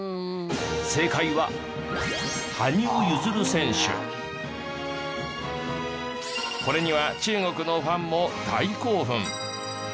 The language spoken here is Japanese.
正解はこれには中国のファンも大興奮。